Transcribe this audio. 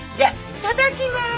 いただきます。